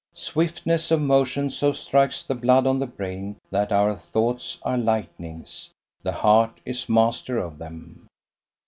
Swiftness of motion so strikes the blood on the brain that our thoughts are lightnings, the heart is master of them.